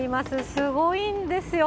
すごいんでよ。